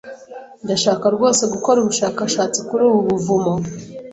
Ndashaka rwose gukora ubushakashatsi kuri ubu buvumo.